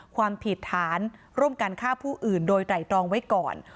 ความผิดฐานร่วมกันฆ่าผู้อื่นโดยไตรตรองไว้ก่อน